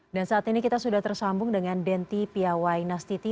dan saat ini kita sudah tersambung dengan denti piawai nastiti